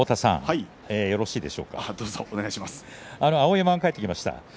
碧山、帰ってました。